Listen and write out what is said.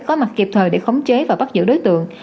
có mặt kịp thời để khống chế và bắt giữ đối tượng